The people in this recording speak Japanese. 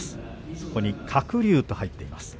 そこに、鶴竜と入っています。